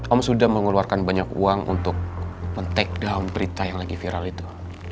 om sudah mengeluarkan banyak uang untuk men take down berita yang lagi viral itu